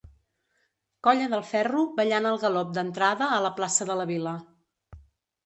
Colla del ferro ballant el galop d'entrada a la plaça de la Vila.